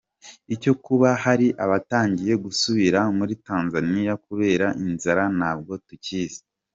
Icyo kuba hari abatangiye gusubira muri tanzaniya kubera inzara ntabwo tukizi .